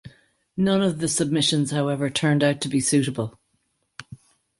None of the submissions, however, turned out to be suitable.